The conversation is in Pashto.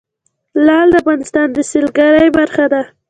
لعل د افغانستان د سیلګرۍ برخه ده.